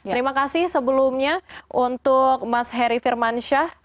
terima kasih sebelumnya untuk mas heri firmansyah